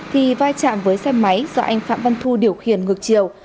thì vai trạm với xe máy do anh phạm văn thu điều khiển ngược chiều